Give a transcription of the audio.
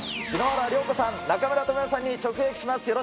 篠原涼子さん、中村倫也さんに直撃します。